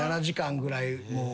７時間ぐらい。